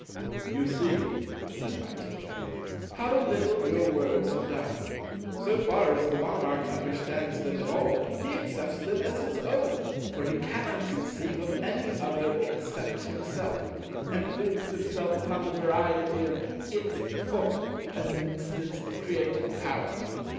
"You see," said my Teacher, "how little your words have done. So far as the Monarch understand them at all, he accepts them as his own—for he cannot conceive of any other except himself—and plumes himself upon the variety of 'Its Thought' as an instance of creative Power.